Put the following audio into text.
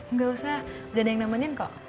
nggak usah udah ada yang namanya kok